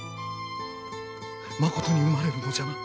まことに生まれるのじゃな？